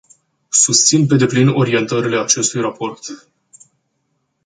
Susțin pe deplin orientările acestui raport.